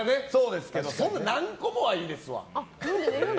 そんなに何個もはいいです。